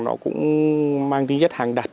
nó cũng mang tính chất hàng đặt